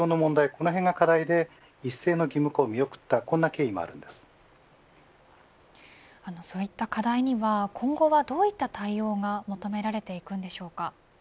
このへんが課題で一斉の義務化をそういった課題には今後は、どういった対応が求められていくんでしょうか。